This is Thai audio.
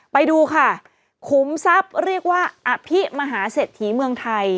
ไปดูค่ะขุมทรัพย์เรียกว่าอภิมหาเศรษฐีเมืองไทย